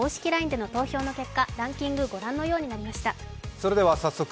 ＬＩＮＥでの投票の結果、ランキング、ご覧のようになりました。